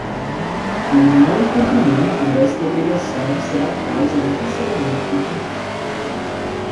O não cumprimento desta obrigação será a causa do cancelamento do contrato.